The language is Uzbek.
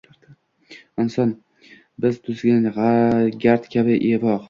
Inson – bir to‘zigan gard kabi, evoh.